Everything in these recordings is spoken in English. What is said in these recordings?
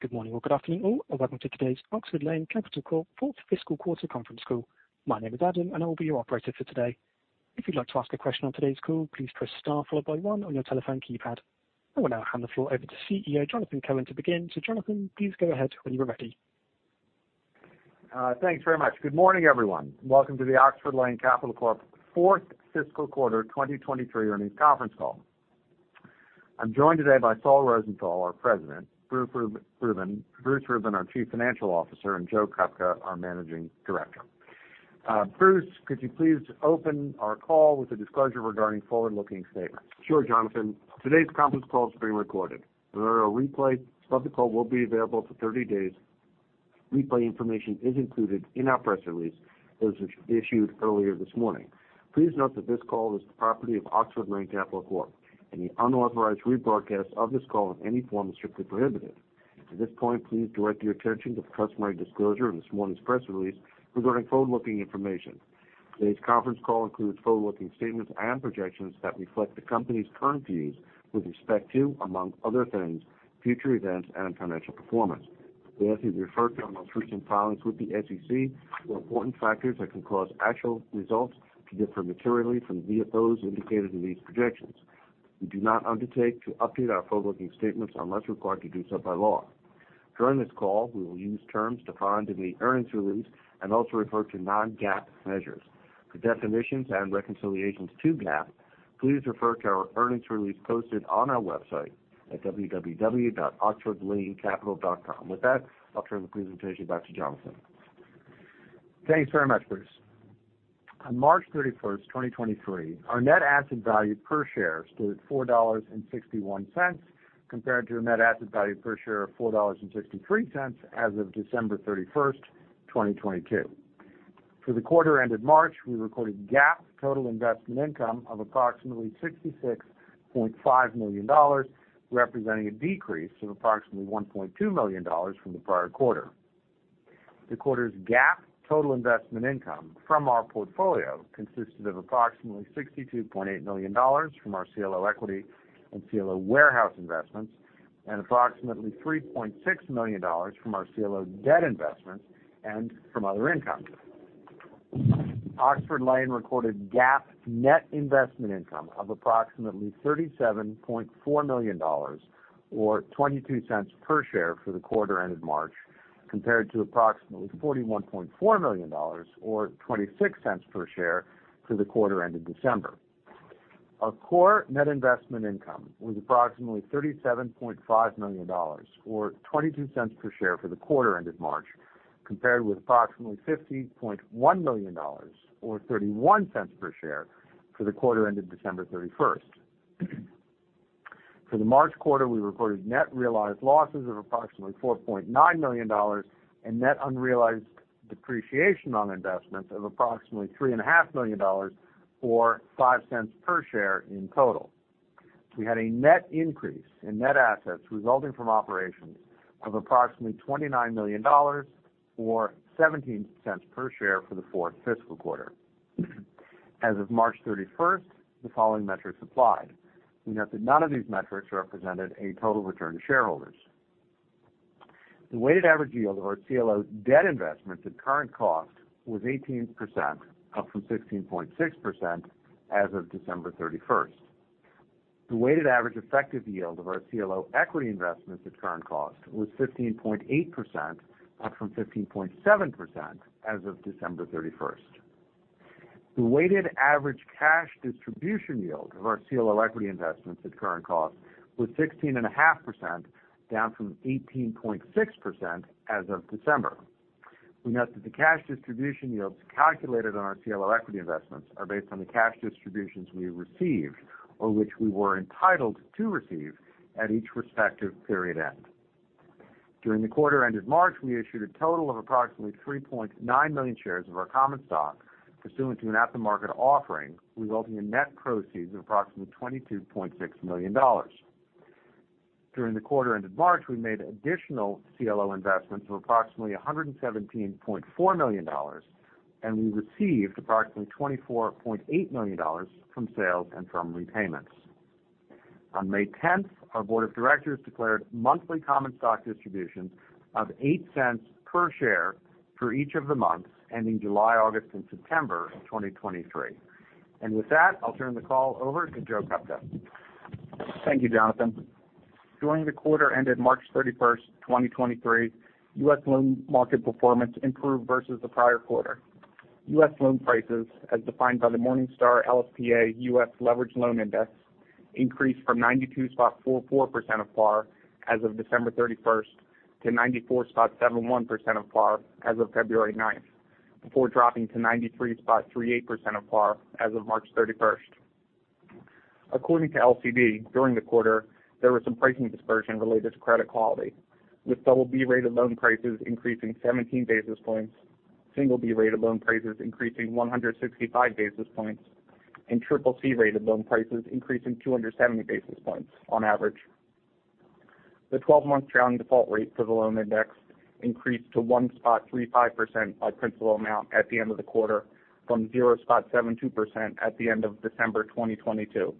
Good morning or good afternoon all. Welcome to today's Oxford Lane Capital Corp fourth fiscal quarter conference call. My name is Adam. I will be your operator for today. If you'd like to ask a question on today's call, please press star followed by one on your telephone keypad. I will now hand the floor over to CEO, Jonathan Cohen, to begin. Jonathan, please go ahead when you are ready. Thanks very much. Good morning, everyone. Welcome to the Oxford Lane Capital Corp fourth fiscal quarter 2023 earnings conference call. I'm joined today by Saul Rosenthal, our President, Bruce Rubin, our Chief Financial Officer, and Joe Kupka, our Managing Director. Bruce, could you please open our call with a disclosure regarding forward-looking statements? Sure, Jonathan. Today's conference call is being recorded. A replay of the call will be available for 30 days. Replay information is included in our press release that was issued earlier this morning. Please note that this call is the property of Oxford Lane Capital Corp. Any unauthorized rebroadcast of this call in any form is strictly prohibited. At this point, please direct your attention to the customary disclosure in this morning's press release regarding forward-looking information. Today's conference call includes forward-looking statements and projections that reflect the company's current views with respect to, among other things, future events and financial performance. We also refer to our most recent filings with the SEC for important factors that can cause actual results to differ materially from the VFOs indicated in these projections. We do not undertake to update our forward-looking statements unless we're required to do so by law. During this call, we will use terms defined in the earnings release and also refer to non-GAAP measures. For definitions and reconciliations to GAAP, please refer to our earnings release posted on our website at www.oxfordlanecapital.com. With that, I'll turn the presentation back to Jonathan. Thanks very much, Bruce. On March 31, 2023, our net asset value per share stood at $4.61, compared to a net asset value per share of $4.63 as of December 31, 2022. For the quarter ended March, we recorded GAAP total investment income of approximately $66.5 million, representing a decrease of approximately $1.2 million from the prior quarter. The quarter's GAAP total investment income from our portfolio consisted of approximately $62.8 million from our CLO equity and CLO warehouse investments and approximately $3.6 million from our CLO debt investments and from other income. Oxford Lane recorded GAAP net investment income of approximately $37.4 million or $0.22 per share for the quarter ended March, compared to approximately $41.4 million or $0.26 per share for the quarter ended December. Our Core net investment income was approximately $37.5 million or $0.22 per share for the quarter ended March, compared with approximately $50.1 million or $0.31 per share for the quarter ended December 31st. For the March quarter, we reported net realized losses of approximately $4.9 million and net unrealized depreciation on investments of approximately three and a half million dollars or $0.05 per share in total. We had a net increase in net assets resulting from operations of approximately $29 million or $0.17 per share for the fourth fiscal quarter. As of March 31st, the following metrics applied. We note that none of these metrics represented a total return to shareholders. The weighted average yield of our CLO debt investments at current cost was 18%, up from 16.6% as of December 31st. The weighted average effective yield of our CLO equity investments at current cost was 15.8%, up from 15.7% as of December 31st. The weighted average cash distribution yield of our CLO equity investments at current cost was 16.5%, down from 18.6% as of December. We note that the cash distribution yields calculated on our CLO equity investments are based on the cash distributions we received or which we were entitled to receive at each respective period end. During the quarter ended March, we issued a total of approximately 3.9 million shares of our common stock pursuant to an at-the-market offering, resulting in net proceeds of approximately $22.6 million. During the quarter ended March, we made additional CLO investments of approximately $117.4 million, and we received approximately $24.8 million from sales and from repayments. On May 10th, our board of directors declared monthly common stock distributions of $0.08 per share for each of the months ending July, August, and September of 2023. With that, I'll turn the call over to Joe Kupka. Thank you, Jonathan. During the quarter ended March 31st, 2023, U.S. loan market performance improved versus the prior quarter. U.S. loan prices, as defined by the Morningstar LSTA U.S. Leveraged Loan Index, increased from 92.44% of par as of December 31st to 94.71% of par as of February 9th, before dropping to 93.38% of par as of March 31st. According to LCD, during the quarter, there was some pricing dispersion related to credit quality, with BB-rated loan prices increasing 17 basis points, B-rated loan prices increasing 165 basis points, and CCC-rated loan prices increasing 270 basis points on average. The twelve-month trailing default rate for the loan index increased to 1.35% by principal amount at the end of the quarter from 0.72% at the end of December 2022.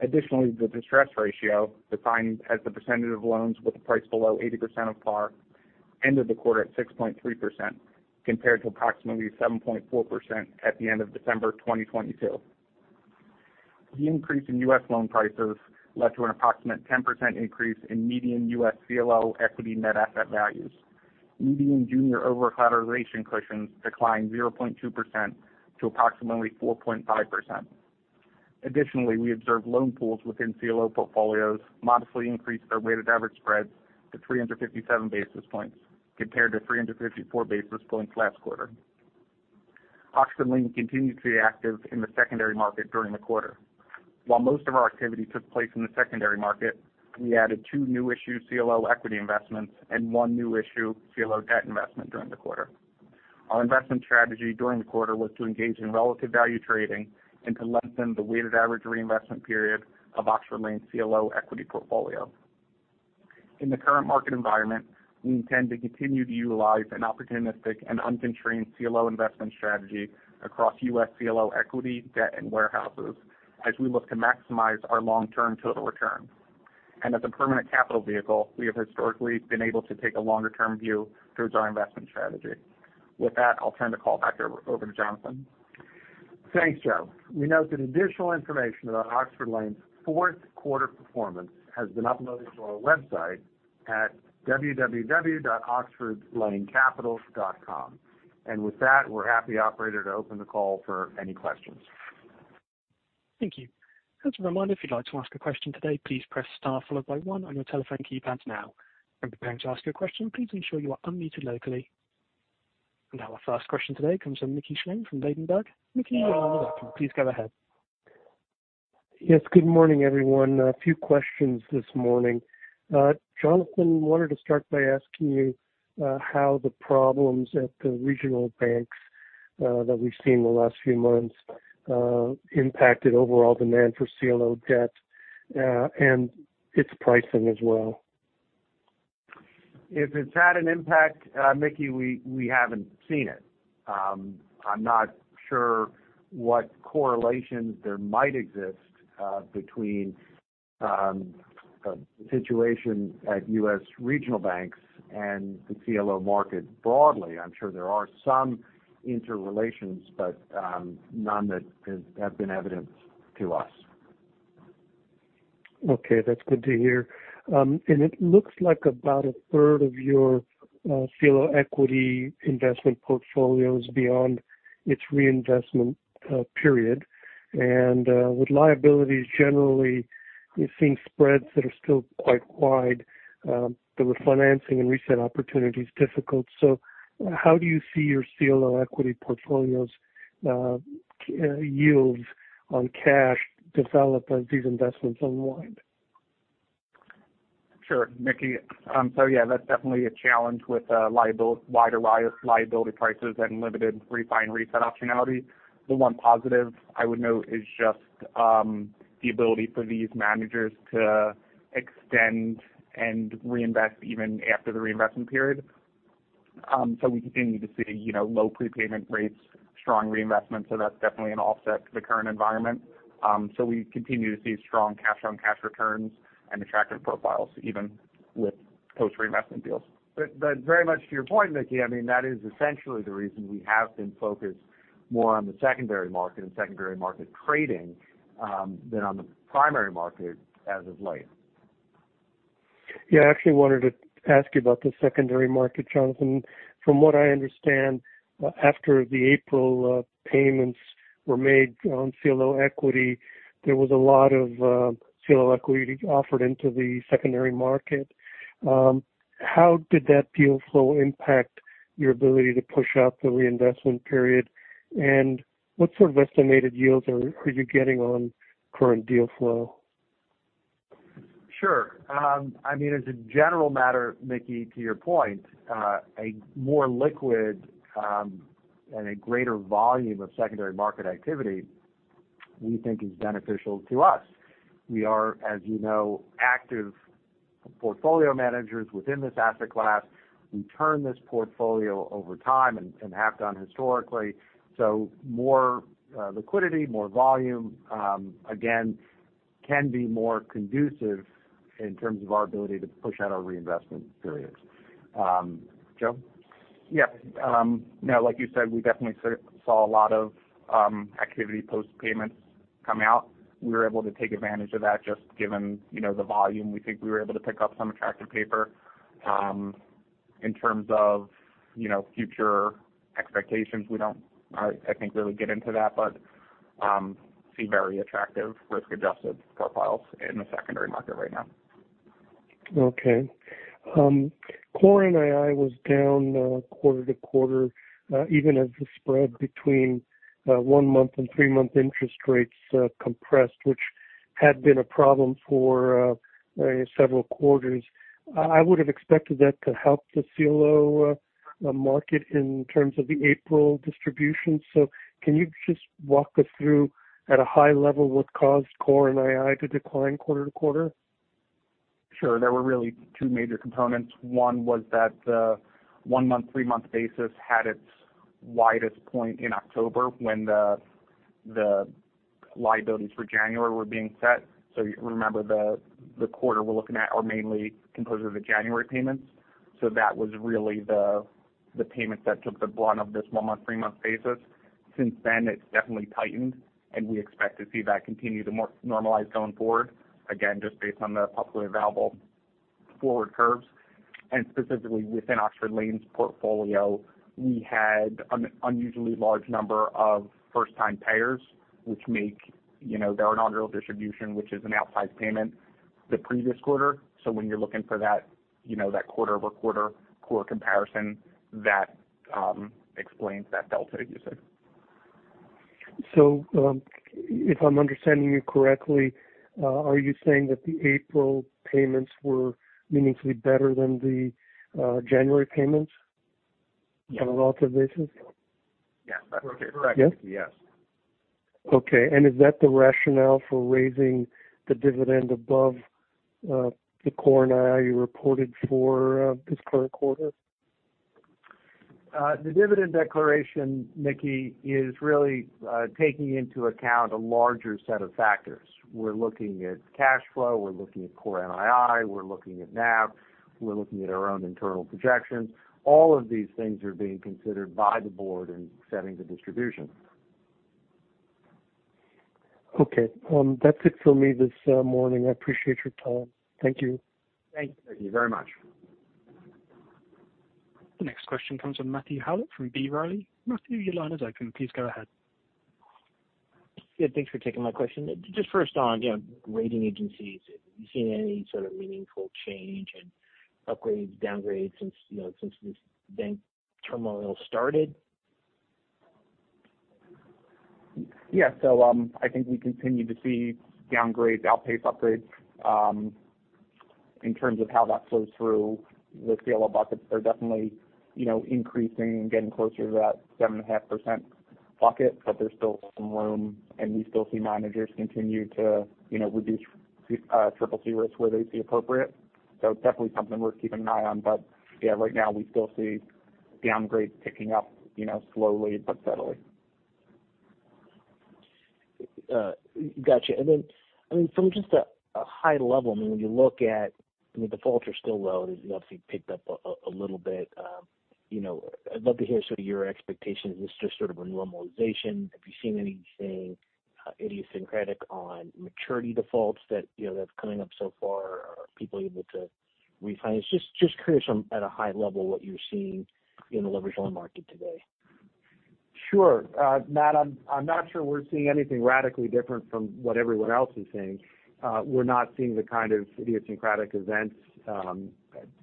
Additionally, the distress ratio, defined as the percentage of loans with a price below 80% of par, ended the quarter at 6.3% compared to approximately 7.4% at the end of December 2022. The increase in U.S. loan prices led to an approximate 10% increase in median U.S. CLO equity net asset values. Median junior over-collateralization cushions declined 0.2% to approximately 4.5%. Additionally, we observed loan pools within CLO portfolios modestly increased their weighted average spreads to 357 basis points compared to 354 basis points last quarter. Oxford Lane continued to be active in the secondary market during the quarter. While most of our activity took place in the secondary market, we added two new issue CLO equity investments and one new issue CLO debt investment during the quarter. Our investment strategy during the quarter was to engage in relative value trading and to lengthen the weighted average reinvestment period of Oxford Lane CLO equity portfolio. In the current market environment, we intend to continue to utilize an opportunistic and unconstrained CLO investment strategy across U.S. CLO equity, debt and warehouses as we look to maximize our long-term total return. As a permanent capital vehicle, we have historically been able to take a longer-term view towards our investment strategy. With that, I'll turn the call back over to Jonathan. Thanks, Joe. We note that additional information about Oxford Lane's fourth quarter performance has been uploaded to our website at www.oxfordlanecapital.com. With that, we're happy, operator, to open the call for any questions. Thank you. As a reminder, if you'd like to ask a question today, please press star followed by one on your telephone keypad now. When preparing to ask your question, please ensure you are unmuted locally. Our first question today comes from Mike Smithfrom D.A. Davidson & Co. Mickey, you are welcome. Please go ahead. Yes, good morning, everyone. A few questions this morning. Jonathan, wanted to start by asking you, how the problems at the regional banks, that we've seen in the last few months, impacted overall demand for CLO debt, and its pricing as well. If it's had an impact, Mickey, we haven't seen it. I'm not sure what correlations there might exist between the situation at U.S. regional banks and the CLO market broadly. I'm sure there are some interrelations, but none that have been evident to us. Okay, that's good to hear. It looks like about a third of your CLO equity investment portfolio is beyond its reinvestment period. With liabilities, generally, we've seen spreads that are still quite wide, the refinancing and reset opportunities difficult. How do you see your CLO equity portfolio's yields on cash develop as these investments unwind? Sure, Mickey. Yeah, that's definitely a challenge with wider li-liability prices and limited refi and reset optionality. The one positive I would note is just the ability for these managers to extend and reinvest even after the reinvestment period. We continue to see, you know, low prepayment rates, strong reinvestment, so that's definitely an offset to the current environment. We continue to see strong cash-on-cash returns and attractive profiles, even with post-reinvestment deals. Very much to your point, Mickey, I mean, that is essentially the reason we have been focused more on the secondary market and secondary market trading, than on the primary market as of late. Yeah, I actually wanted to ask you about the secondary market, Jonathan. From what I understand, after the April payments were made on CLO equity, there was a lot of CLO equity offered into the secondary market. How did that deal flow impact your ability to push out the reinvestment period? What sort of estimated yields are you getting on current deal flow? Sure. I mean, as a general matter, Mickey, to your point, a more liquid, and a greater volume of secondary market activity, we think is beneficial to us. We are, as you know, active portfolio managers within this asset class. We turn this portfolio over time and have done historically. More, liquidity, more volume, again, can be more conducive in terms of our ability to push out our reinvestment periods. Joe? Yeah. Now, like you said, we definitely saw a lot of activity post-payments come out. We were able to take advantage of that just given, you know, the volume. We think we were able to pick up some attractive paper. In terms of, you know, future expectations, we don't, I think, really get into that, but see very attractive risk-adjusted profiles in the secondary market right now. Core NII was down quarter to quarter, even as the spread between one-month and three-month interest rates compressed, which had been a problem for several quarters. I would have expected that to help the CLO market in terms of the April distribution. Can you just walk us through, at a high level, what caused Core NII to decline quarter to quarter? Sure. There were really two major components. One was that the one-month, three-month basis had its widest point in October when the liabilities for January were being set. remember the quarter we're looking at are mainly composed of the January payments. That was really the payment that took the brunt of this one month, three month basis. It's definitely tightened, and we expect to see that continue to normalize going forward. Just based on the publicly available forward curves. Specifically within Oxford Lane's portfolio, we had an unusually large number of first-time payers, which make, you know, their inaugural distribution, which is an outsized payment the previous quarter. When you're looking for that, you know, that quarter-over-quarter core comparison, that explains that delta you said. If I'm understanding you correctly, are you saying that the April payments were meaningfully better than the January payments? Yeah. on a relative basis? Yes, that's correct. Yes? Yes. Okay. Is that the rationale for raising the dividend above, the Core NII reported for, this current quarter? The dividend declaration, Mickey, is really taking into account a larger set of factors. We're looking at cash flow, we're looking at Core NII, we're looking at NAV, we're looking at our own internal projections. All of these things are being considered by the board in setting the distribution. That's it for me this morning. I appreciate your time. Thank you. Thank you. Thank you very much. The next question comes from Matthew Howlett from B. Riley. Matthew, your line is open. Please go ahead. Thanks for taking my question. Just first on, you know, rating agencies. Have you seen any sort of meaningful change in upgrades, downgrades since, you know, since this bank turmoil started? Yeah. I think we continue to see downgrades outpace upgrades. In terms of how that flows through the CLO buckets are definitely, you know, increasing and getting closer to that 7.5% bucket, but there's still some room, and we still see managers continue to, you know, reduce CCC risk where they see appropriate. It's definitely something worth keeping an eye on. Yeah, right now we still see downgrades picking up, you know, slowly but steadily. Gotcha. I mean, from just a high level, I mean, when you look at, I mean, defaults are still low. They obviously picked up a little bit. You know, I'd love to hear sort of your expectations. Is this just sort of a normalization? Have you seen anything idiosyncratic on maturity defaults that, you know, that's coming up so far? Are people able to refinance? Just curious at a high level what you're seeing in the leveraged loan market today. Sure. Matt, I'm not sure we're seeing anything radically different from what everyone else is seeing. We're not seeing the kind of idiosyncratic events,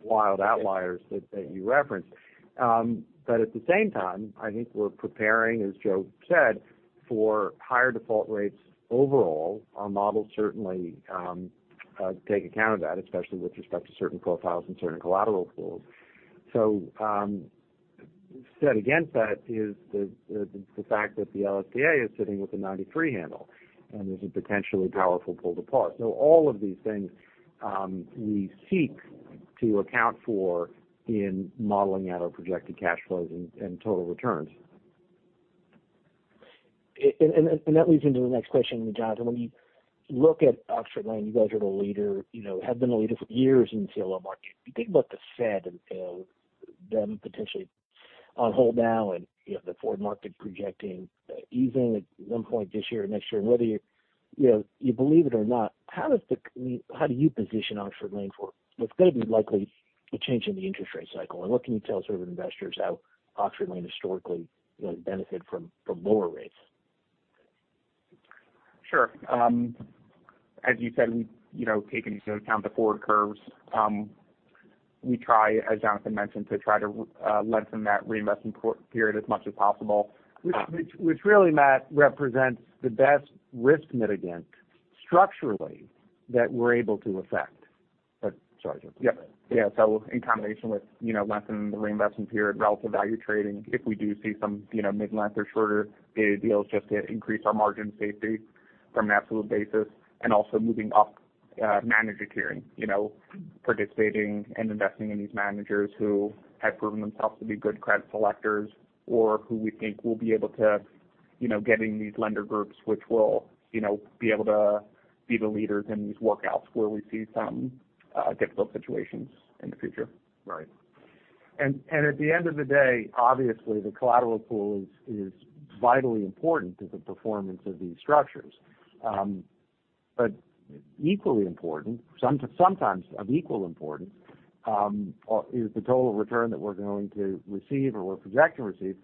wild outliers that you referenced. At the same time, I think we're preparing, as Joe said, for higher default rates overall. Our models certainly take account of that, especially with respect to certain profiles and certain collateral pools. Set against that is the fact that the LSTA is sitting with a 93 handle, and there's a potentially powerful pull to par. All of these things, we seek to account for in modeling out our projected cash flows and total returns. That leads into the next question, Jonathan. When you look at Oxford Lane, you guys are the leader, you know, have been the leader for years in the CLO market. You think about the Fed and, you know, them potentially on hold now and, you know, the forward market projecting easing at some point this year or next year, and whether you know, you believe it or not, how do you position Oxford Lane for what's gonna be likely a change in the interest rate cycle? What can you tell sort of investors how Oxford Lane historically, you know, benefit from lower rates? Sure. As you said, we, you know, take into account the forward curves. We try, as Jonathan mentioned, to try to lengthen that reinvestment period as much as possible. Which really, Matt, represents the best risk mitigant structurally that we're able to affect. Sorry, Joe. Yeah. Yeah. In combination with, you know, lengthening the reinvestment period, relative value trading, if we do see some, you know, mid-length or shorter dated deals just to increase our margin safety from an absolute basis and also moving up, manager tiering. You know, participating and investing in these managers who have proven themselves to be good credit selectors or who we think will be able to, you know, get in these lender groups which will, you know, be able to be the leaders in these workouts where we see some difficult situations in the future. Right. At the end of the day, obviously the collateral pool is vitally important to the performance of these structures. Equally important, sometimes of equal importance, is the total return that we're going to receive or project to receive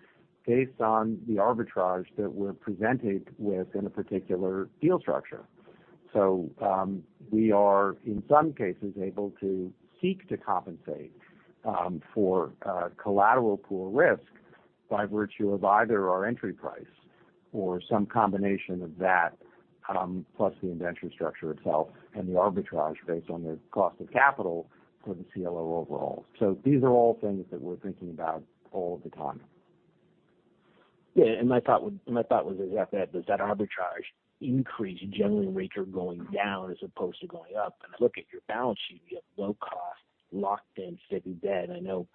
based on the arbitrage that we're presented with in a particular deal structure. We are, in some cases, able to seek to compensate for collateral pool risk by virtue of either our entry price or some combination of that, plus the inventory structure itself and the arbitrage based on the cost of capital for the CLO overall. These are all things that we're thinking about all the time. Yeah. My thought was exactly that. Does that arbitrage increase generally when rates are going down as opposed to going up? I look at your balance sheet, you have low cost, locked in, steady debt. I know,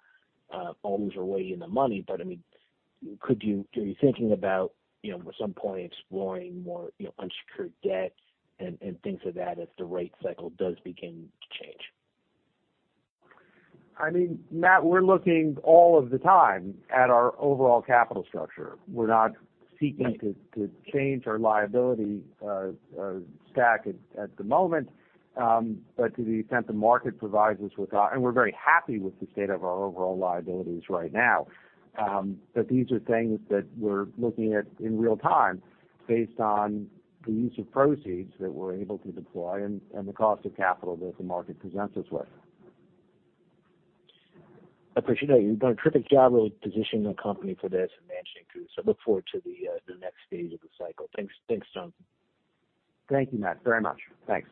all those are way in the money, but I mean, are you thinking about, you know, at some point exploring more, you know, unsecured debt and things like that as the rate cycle does begin to change? I mean, Matt, we're looking all of the time at our overall capital structure. We're not seeking. Right. To change our liability stack at the moment. To the extent the market provides us with and we're very happy with the state of our overall liabilities right now. These are things that we're looking at in real time based on the use of proceeds that we're able to deploy and the cost of capital that the market presents us with. Appreciate it. You've done a terrific job really positioning the company for this and managing through. Look forward to the next phase of the cycle. Thanks. Thanks, Jonathan. Thank you, Matt, very much. Thanks.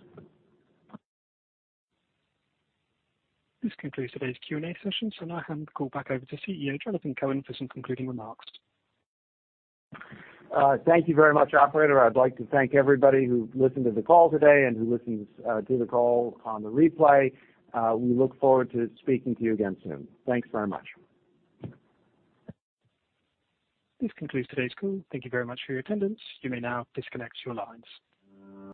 This concludes today's Q&A session. Now I hand the call back over to CEO, Jonathan Cohen, for some concluding remarks. Thank you very much, operator. I'd like to thank everybody who listened to the call today and who listens to the call on the replay. We look forward to speaking to you again soon. Thanks very much. This concludes today's call. Thank you very much for your attendance. You may now disconnect your lines.